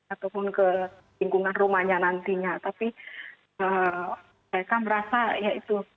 ataupun ke lingkungan rumahnya nantinya tapi mereka merasa ya itu